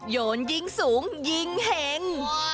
โยนยิงสูงยิงเห็ง